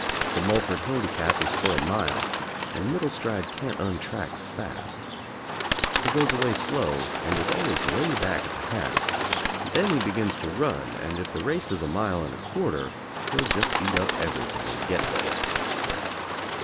The Mullford Handi cap is for a mile and Middlestride can't untrack fast. He goes away slow and is always way back at the half, then he begins to run and if the race is a mile and a quarter he'll just eat up everything and get there.